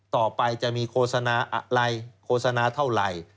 ต่อไปจะมีโฆษณาอะไรโฆษณาเท่าไหร่